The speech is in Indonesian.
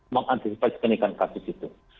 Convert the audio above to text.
mengantisipasi peningkatan kasus itu